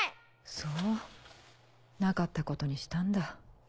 そうなかったことにしたんだ。